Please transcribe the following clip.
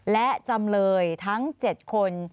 และจำเลยทั้ง๗คน